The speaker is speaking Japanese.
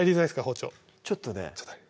包丁ちょっとね